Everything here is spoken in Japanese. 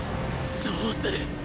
どうする！？